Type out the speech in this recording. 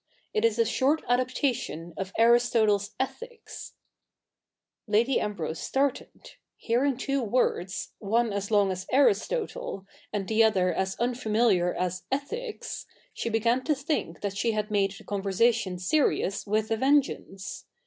It is a short adaptation of Aristotle's Ethics: Lady Ambrose started. Hearing two words, one as long as Aristotle^ and the other as unfamiliar as Ethics, she began to think that she had made the conversation serious with a vengeance.